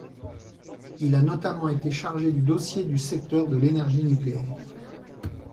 Il a notamment été chargé du dossier du secteur de l'énergie nucléaire.